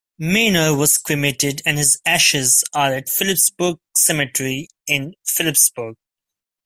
Meyner was cremated and his ashes are at Phillipsburg Cemetery in Phillipsburg.